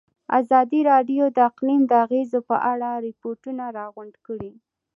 ازادي راډیو د اقلیم د اغېزو په اړه ریپوټونه راغونډ کړي.